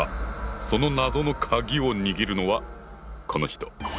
その謎のカギを握るのはこの人！